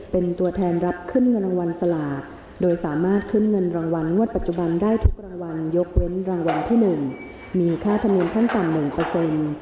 เป็นตัวแทนรับขึ้นเงินรางวัลสลากโดยสามารถขึ้นเงินรางวัลงวดปัจจุบันได้ทุกรางวัลยกเว้นรางวัลที่หนึ่งมีค่าธรรมเนียนขั้นต่ำหนึ่งเปอร์เซ็นต์